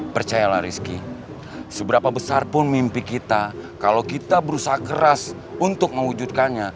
percayalah rizky seberapa besar pun mimpi kita kalau kita berusaha keras untuk mewujudkannya